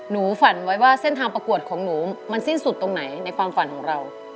ฝันไว้ว่าเส้นทางประกวดของหนูมันสิ้นสุดตรงไหนในความฝันของเรา